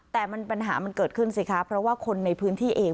แต่ปัญหามันเกิดขึ้นสิคะเพราะว่าคนในพื้นที่เอง